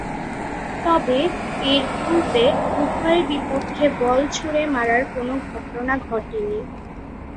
তবে, এরপূর্বে উভয়ের বিপক্ষে বল ছুড়ে মারার কোন ঘটনা ঘটেনি।